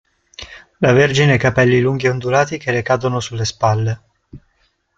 La Vergine ha i capelli lunghi e ondulati che le cadono sulle spalle.